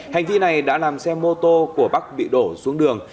hành vi này đã làm xe mô tô của bắc bị đổ xuống đường